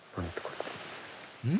うん？